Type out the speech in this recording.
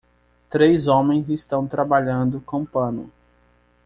Três homens estão trabalhando com pano.